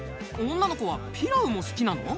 女の子はピラウも好きなの？